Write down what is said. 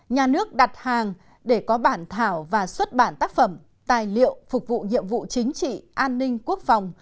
nhà nước đặt hàng để có bản thảo và xuất bản tác phẩm tài liệu phục vụ nhiệm vụ chính trị an ninh quốc phòng